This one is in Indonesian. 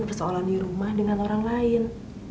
persoalan di rumah dengan orang lain